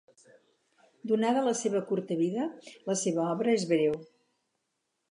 Donada la seva curta vida, la seva obra és breu.